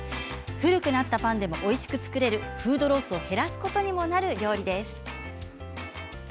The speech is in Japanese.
古くなったパンでもおいしく作れるフードロスを減らすことにもなる料理です。